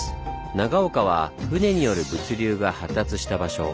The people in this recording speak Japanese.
長岡は舟による物流が発達した場所。